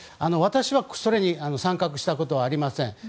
私はそれに参画したことはありません。